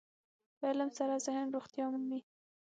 په علم سره ذهن روغتیا مومي.